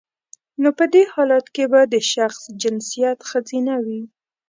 نو په دی حالت کې به د شخص جنسیت خځینه وي